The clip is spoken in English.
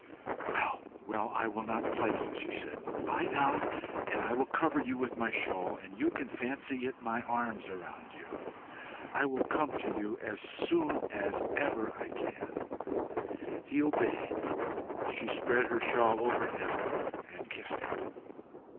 "Well, well, I will not plague you," she said. "Lie down and I will cover you with my shawl, and you can fancy it my arms round you. I will come to you as soon as ever I can." He obeyed. She spread her shawl over him and kissed him.